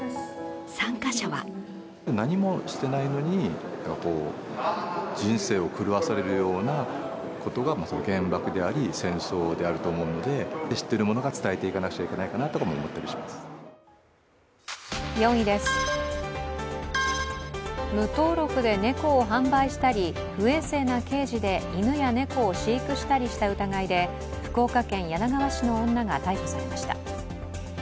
参加者は４位です、無登録で猫を販売したり、不衛生なケージで犬や猫を飼育したりした疑いで、福岡県柳川市の女が逮捕されました。